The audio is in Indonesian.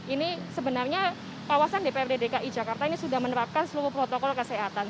ini sebenarnya kawasan dprd dki jakarta ini sudah menerapkan seluruh protokol kesehatan